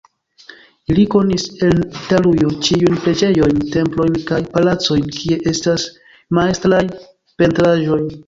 Ili konis en Italujo ĉiujn preĝejojn, templojn kaj palacojn, kie estas majstraj pentraĵoj.